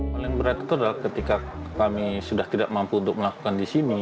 paling berat itu adalah ketika kami sudah tidak mampu untuk melakukan di sini